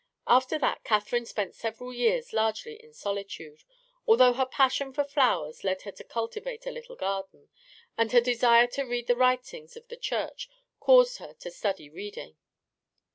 After that Catherine spent several years largely in solitude, although her passion for flowers led her to cultivate a little garden, and her desire to read the writings of the Church caused her to study reading.